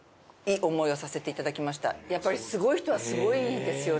やっぱりすごい人はすごいですよね。